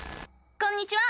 こんにちは！